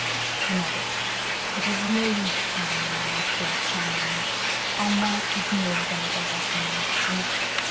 She nodded. "It is no use telling you how he forced my hand. Armand is more than a brother to me, and